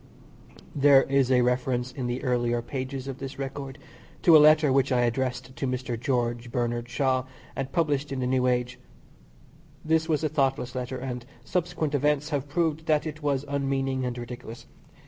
There is a reference in the earlier pages of this record to a letter which I addressed to Mr. George Bernard Shaw and published in the New Age. This was a thoughtless letter, and subsequent events have proved that it was unmeaning and ridiculous.